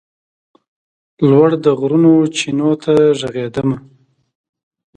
لوړ د غرونو وچېنو ته ږغېدمه